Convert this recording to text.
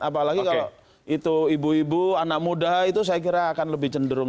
apalagi kalau itu ibu ibu anak muda itu saya kira akan lebih cenderung